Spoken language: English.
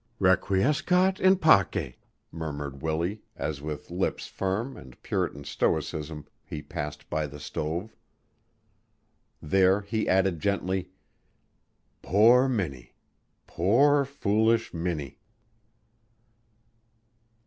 "Requiescat in pace!" murmured Willie as with lips firm with Puritan stoicism he passed by the stove. There he added gently: "Poor Minnie! Poor foolish Minnie!"